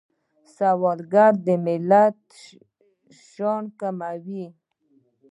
سوالګري د ملت شان کموي